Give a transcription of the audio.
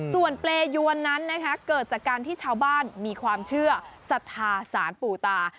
ส่วนเปรยวนนั้นเกิดจากการที่ชาวบ้านมีความเชื่อศรัทธาสารปู่ตา